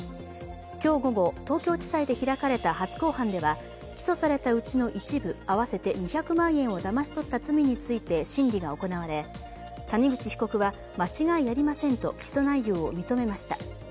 今日午後、東京地裁で開かれた初公判では起訴されたうちの一部、合わせて２００万円をだまし取った罪について審理が行われ谷口被告は、間違いありませんと起訴内容を認めました。